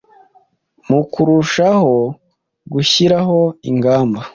Mu kurushaho gushyiraho ingamba